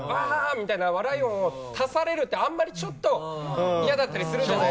みたいな笑い音を足されるってあんまりちょっと嫌だったりするじゃないですか。